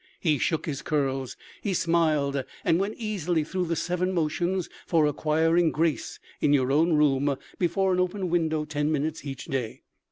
He shook his curls; he smiled and went easily through the seven motions for acquiring grace in your own room before an open window ten minutes each day.